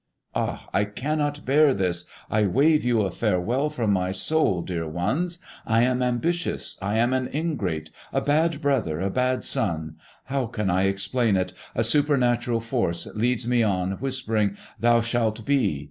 Ah, I cannot bear this! I wave you a farewell from my soul, dear ones! I am ambitious; I am an ingrate, a bad brother, a bad son! How can I explain it? A supernatural force leads me on, whispering, "Thou shalt be!"